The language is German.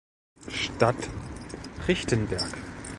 Stadt Richtenberg